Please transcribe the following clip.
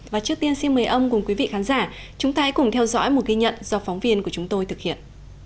và trước tiên xin mời ông cùng quý vị khán giả chúng ta hãy cùng theo dõi một ghi nhận do phóng viên của chúng tôi thực hiện